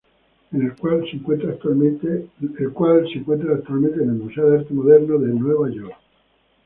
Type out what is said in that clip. El cual se encuentra actualmente en el Museo de Arte Moderno de Nueva York.